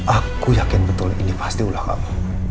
aku yakin betul ini pasti ulah kamu